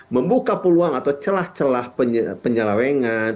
membuka peluang atau celah celah penyelewengan